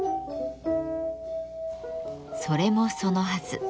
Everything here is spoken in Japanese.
それもそのはず。